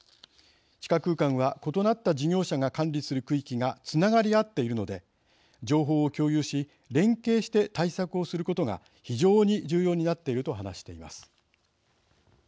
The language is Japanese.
地下空間は異なった事業者が管理する区域がつながりあっているので情報を共有し連携して対策をすることが非常に重要になっている」と話しています。